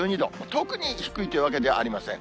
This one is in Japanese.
特に低いというわけではありません。